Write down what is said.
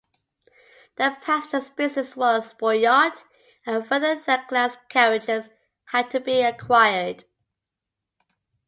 The passenger business was buoyant and further third class carriages had to be acquired.